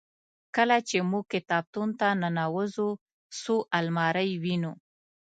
کله چې موږ کتابتون ته ننوزو څو المارۍ وینو.